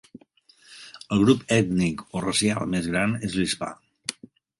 El grup ètnic o racial més gran és l'hispà.